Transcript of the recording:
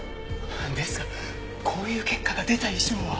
ですがこういう結果が出た以上は。